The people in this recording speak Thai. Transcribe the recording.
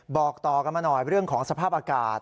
บอกต่อกันมาหน่อยเรื่องของสภาพอากาศ